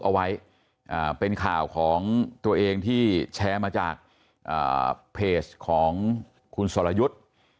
เอาไว้เป็นข่าวของตัวเองที่แชร์มาจากเพจของคุณสรยุทธ์